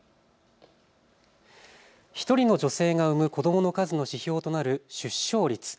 １人の女性が産む子どもの数の指標となる出生率。